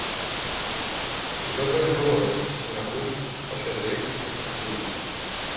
Ці добра ён гаворыць, ці на глум, а ўсё здаецца, што штукуе.